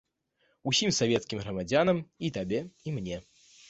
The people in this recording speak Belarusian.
Усім савецкім грамадзянам, і табе, і мне.